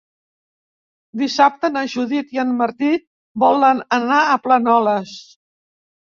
Dissabte na Judit i en Martí volen anar a Planoles.